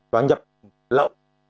và nhập lộ